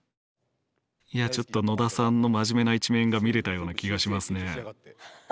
いやちょっと野田さんの真面目な一面が見れたような気がしますね。